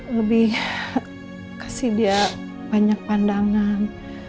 lebih kasih dia banyak pandangan